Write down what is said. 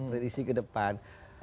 berisi ke depan